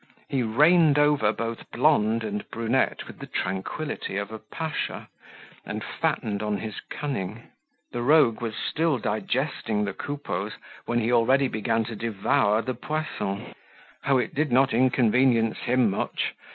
He reigned over both blonde and brunette with the tranquillity of a pasha, and fattened on his cunning. The rogue was still digesting the Coupeaus when he already began to devour the Poissons. Oh, it did not inconvenience him much!